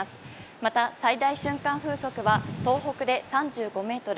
また、最大瞬間風速は東北で３５メートル